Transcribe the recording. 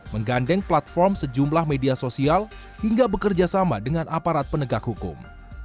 menggandeng platform sejumlah media sosial hingga bekerjasama dengan aparat penegak hukum